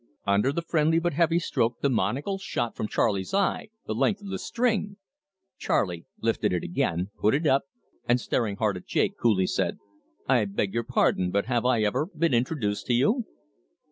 Under the friendly but heavy stroke the monocle shot from Charley's eye the length of the string. Charley lifted it again, put it up, and staring hard at Jake, coolly said: "I beg your pardon but have I ever been introduced to you?"